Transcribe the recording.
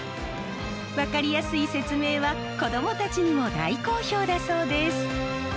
分かりやすい説明は子どもたちにも大好評だそうです。